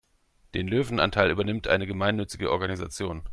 Den Löwenanteil übernimmt eine gemeinnützige Organisation.